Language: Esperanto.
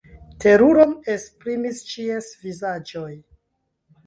Teruron esprimis ĉies vizaĝoj.